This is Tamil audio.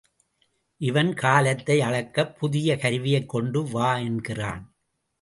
இவன் காலத்தை அளக்கப் புதிய கருவியைக் கொண்டு வா என்கிறான்.